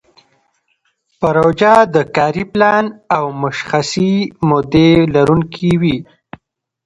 پروژه د کاري پلان او مشخصې مودې لرونکې وي.